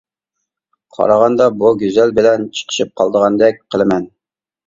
قارىغاندا بۇ گۈزەل بىلەن چىقىشىپ قالىدىغاندەك قىلىمەن.